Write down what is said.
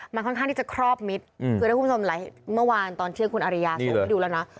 มันคลอบคือคุณผู้ชมไล่เมื่อวันวันตอนเชื่อคุณอริยาสมไม่ดูแล้วเนอะ